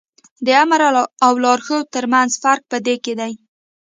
د آمر او لارښود تر منځ فرق په دې کې دی.